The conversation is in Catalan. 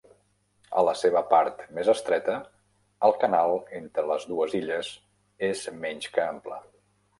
A la seva part més estreta, el canal entre les dues illes és menys que ample.